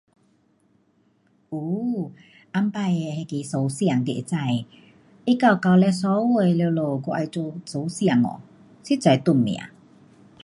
有，以前的那个首相你会知，他到九十三岁了咯还要做首相哦，实在长命。